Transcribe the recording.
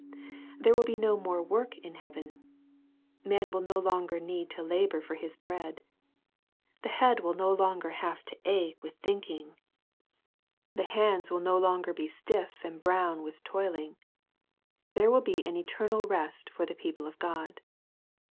There will be no more work in heaven. Man will no longer need to labour for his bread. The head will no longer have to ache with NO MORE CRYING. 75 thinking. The hands will no longer be stiff and brown with toiling. There will be an eter nal rest for the people of God.